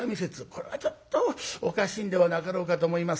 これはちょっとおかしいんではなかろうかと思いますが。